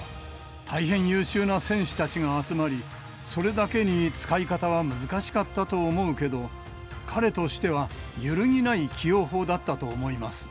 大変優秀な選手たちが集まり、それだけに使い方は難しかったと思うけど、彼としては揺るぎない起用法だったと思います。